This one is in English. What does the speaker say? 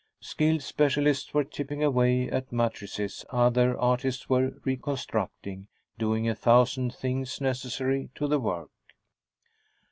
Skilled specialists were chipping away at matrices other artists were reconstructing, doing a thousand things necessary to the work.